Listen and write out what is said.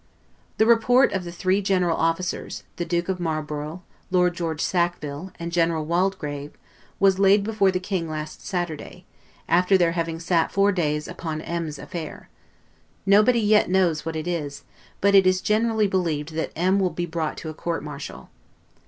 The report of the three general officers, the Duke of Marlborough, Lord George Sackville, and General Waldegrave, was laid before the King last Saturday, after their having sat four days upon M t's affair: nobody yet knows what it is; but it is generally believed that M t will be brought to a court martial.